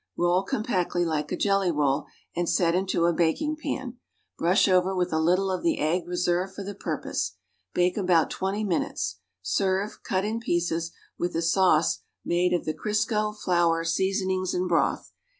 Roll compactly like a jelly roll and set into a baking pan; brush over with a little of the egg reserved for the pur pose. Bake about twenty minutes. Serve, cut in pieces, with a sauce made of the Criseo, flour, seasonings and broth.